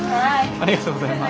ありがとうございます。